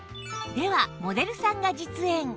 ではモデルさんが実演